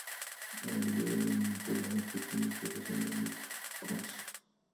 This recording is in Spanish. La mayoría venían de pueblos más pequeños de la zona Midt-Troms.